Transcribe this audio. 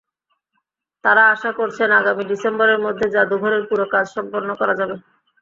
তাঁরা আশা করছেন আগামী ডিসেম্বরের মধ্যে জাদুঘরের পুরো কাজ সম্পন্ন করা যাবে।